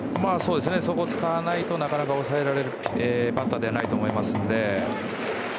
そこを使わないとなかなか抑えられるバッターではないので。